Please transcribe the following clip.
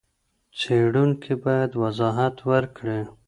څېړونکی بايد وضاحت ورکړي.